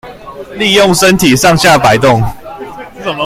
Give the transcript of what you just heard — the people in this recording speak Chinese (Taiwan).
利用身體上下矲動